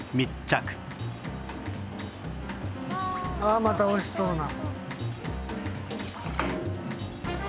あっまた美味しそうな。